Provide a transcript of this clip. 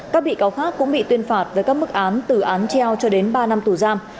các bị cáo khác cũng bị tuyên phạt với các mức án từ án treo cho đến ba năm tù giam